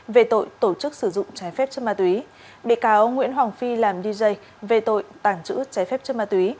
về tội tổ chức sử dụng trái phép chất ma túy bị cáo nguyễn hoàng phi làm dj về tội tàng trữ trái phép chất ma túy